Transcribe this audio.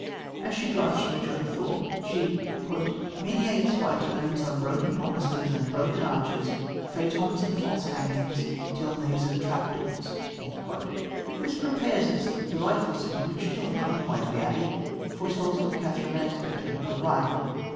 As she drives with John Thorpe she "meditates by turns on broken promises and broken arches, phaetons and false hangings, Tilneys and trapdoors." This prepares us for the delightful scene in which Tilney, on the way to the abbey, foretells what Catherine may expect on her arrival.